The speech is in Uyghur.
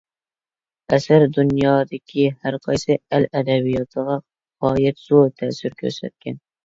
ئەسەر دۇنيادىكى ھەرقايسى ئەل ئەدەبىياتىغا غايەت زور تەسىر كۆرسەتكەن.